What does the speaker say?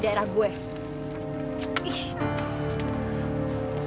pemimpin yang sudah berpikir